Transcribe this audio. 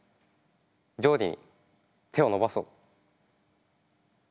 料理に手を伸ばそう。